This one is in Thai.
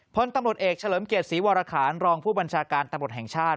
พลตำรวจเอกเฉลิมเกียรติศรีวรคารรองผู้บัญชาการตำรวจแห่งชาติ